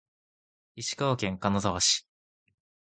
石川県金沢市